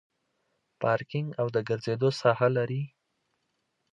پارکینګ او د ګرځېدو ساحه لري.